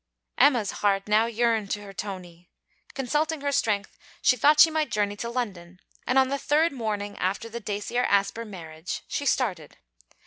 Emma's heart now yearned to her Tony: Consulting her strength, she thought she might journey to London, and on the third morning after the Dacier Asper marriage, she started.